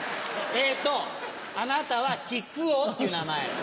えーと、あなたは木久扇っていう名前。